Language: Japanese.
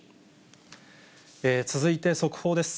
続いて速報です。